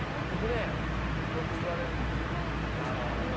僕ねよく言われるんですよ。